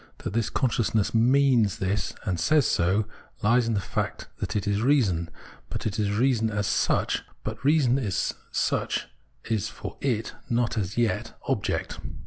That this conscious ness " means " this and says so, lies in the fact that it is reason, but reason as such is for it not as yet object.